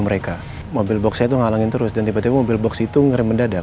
mereka mobil boks itu ngalangin terus dan tiba tiba mobil box itu ngeremp mendadak